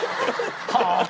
はあ！？